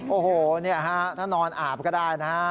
โอ้โหนี่ฮะถ้านอนอาบก็ได้นะฮะ